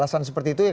ya seperti itu ya